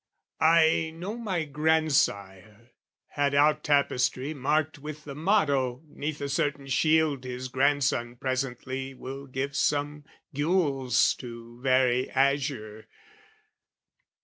I know my grandsire had out tapestry Marked with the motto, 'neath a certain shield His grandson presently will give some gules To vary azure.